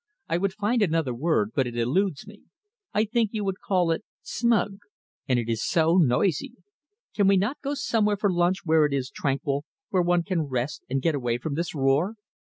I would find another word, but it eludes me. I think you would call it smug. And it is so noisy. Can we not go somewhere for lunch where it is tranquil, where one can rest and get away from this roar?"